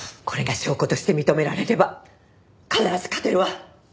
これが証拠として認められれば必ず勝てるわ！